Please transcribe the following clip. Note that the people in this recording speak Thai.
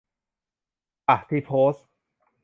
ป่ะที่โพสต์ ?